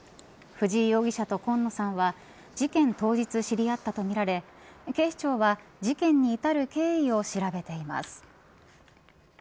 藤井容疑者と今野さんは事件当日知り合ったと見られ警視庁は事件に至る経緯を調べています。